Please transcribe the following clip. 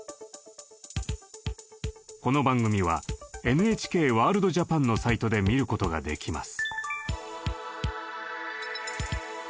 この番組は「ＮＨＫワールドＪＡＰＡＮ」のサイトで見ることができます。